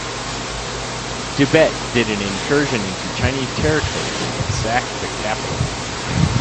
Tibet did an incursion into Chinese territory and sacked the capital.